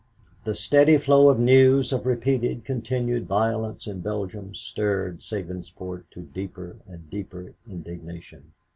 The steady flow of news of repeated, continued violence in Belgium stirred Sabinsport to deeper and deeper indignation.